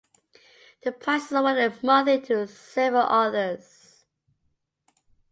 The prize is awarded monthly to several authors.